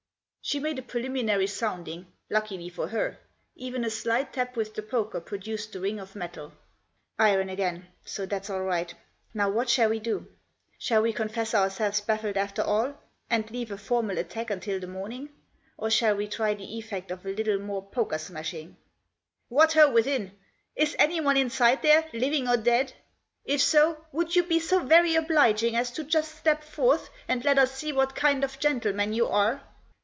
She made a preliminary sounding, luckily for her. Even a slight tap with the poker produced the ring of metal. " Iron again, so that's all right. Now what shall we do ? Shall we confess ourselves baffled after all, and leave a formal attack until the morning, or shall we try the effect of a little more poker smashing ? What ho, within ! Is anyone inside there, living or dead ? If so, would you be so very obliging as to just step forth, and let us see what kind of gentleman you are."